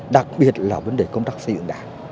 đặc biệt là vấn đề công tác xây dựng đảng